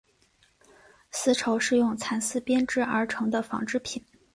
丝绸是用蚕丝编制而成的纺织品。